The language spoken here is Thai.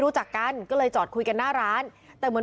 พวกมันต้องกินกันพี่